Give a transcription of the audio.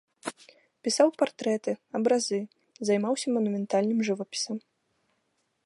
Пісаў партрэты, абразы, займаўся манументальным жывапісам.